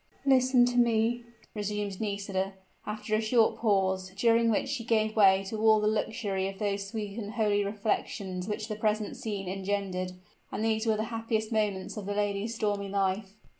"Listen to me," resumed Nisida, after a short pause, during which she gave way to all the luxury of those sweet and holy reflections which the present scene engendered: and these were the happiest moments of the lady's stormy life.